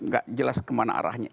gak jelas kemana arahnya